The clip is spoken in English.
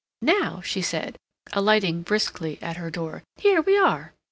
"Now," she said, alighting briskly at her door, "here we are!"